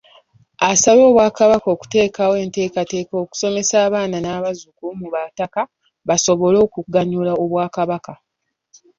Asabye Obwakabaka okuteekawo enteekateeka okusomesa abaana n'abazzukulu mu b'abataka basobole okuganyula Obwakabaka